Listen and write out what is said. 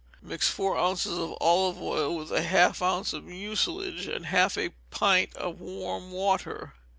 Mix four ounces of olive oil with half an ounce of mucilage and half a pint of warm water.